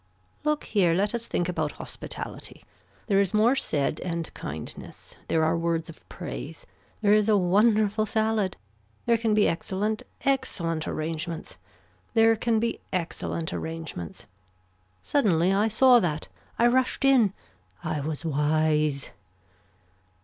Look here let us think about hospitality. There is more said and kindness. There are words of praise. There is a wonderful salad. There can be excellent excellent arrangements. There can be excellent arrangements. Suddenly I saw that. I rushed in. I was wise.